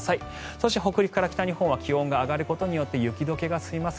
そして、北陸から北日本は気温が上がることによって雪解けが進みます。